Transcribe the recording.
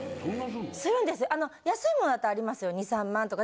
安い物だってありますよ２３万とか。